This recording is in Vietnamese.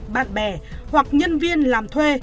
bạn bè hoặc nhân viên làm thuê